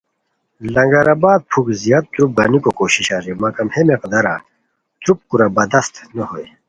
لنگر آباد پُھک زیاد تروپ گانیکو کوشش اریر مگم ہے مقدارا تروپ کورا بدست نو ہوئے